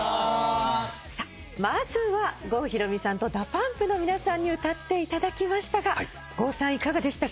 まずは郷ひろみさんとＤＡＰＵＭＰの皆さんに歌っていただきましたが郷さんいかがでしたか？